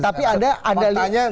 tapi ada ada liat